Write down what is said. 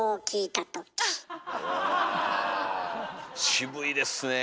渋いですねえ